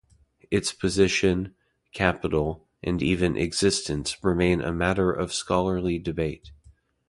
Its position, capital, and even existence remain a matter of scholarly debate.